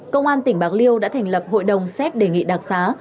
công an tỉnh bạc liêu đã thành lập hội đồng xét đề nghị đặc xá